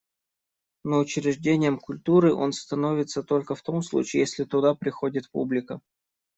Но учреждением культуры он становится только в том случае, если туда приходит публика.